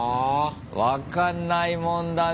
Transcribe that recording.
分かんないもんだね。